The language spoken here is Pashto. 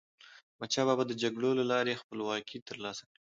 احمدشاه بابا د جګړو له لارې خپلواکي تر لاسه کړه.